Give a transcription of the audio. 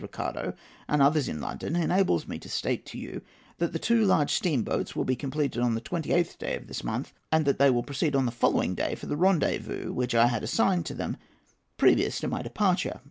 Ricardo and others in London, enables me to state to you that the two large steamboats will be completed on the 28th day of this month, and that they will proceed on the following day for the rendezvous which I had assigned to them previous to my departure.